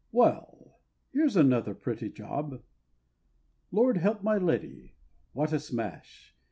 Well! here's another pretty job! Lord help my Lady! what a smash!